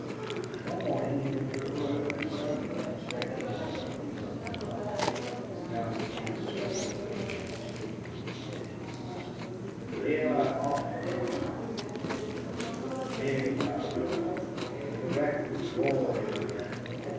One morning he went to the telegraph station, expecting orders from General Lodge. He found the chief's special train at the station, headed east. "Neale, I'm off for Omaha," said Lodge. "Big pow wow. The directors roaring again!"